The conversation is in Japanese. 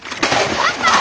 パパ！